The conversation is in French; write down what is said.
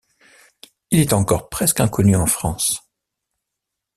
Il est encore presque inconnu en France.